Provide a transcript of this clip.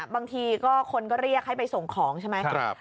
บางทีก็คนก็เรียกให้ไปส่งของใช่ไหม